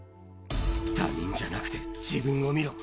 他人じゃなくて自分を見ろ！